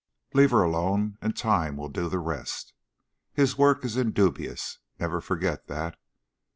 Leave her alone and Time will do the rest. His work is indubious; never forget that.